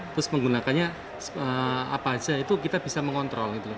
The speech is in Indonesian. terus menggunakannya apa aja itu kita bisa mengontrol gitu loh